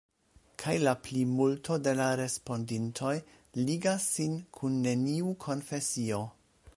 Kaj la plimulto de la respondintoj ligas sin kun neniu konfesio.